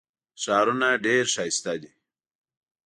ښارونه ډېر ښایسته دي.